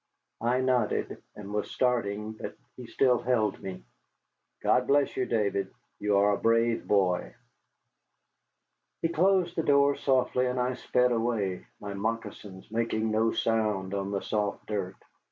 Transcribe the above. I nodded and was starting, but he still held me. "God bless you, Davy, you are a brave boy." He closed the door softly and I sped away, my moccasins making no sound on the soft dirt.